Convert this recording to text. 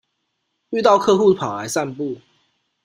遇到客戶跑來散步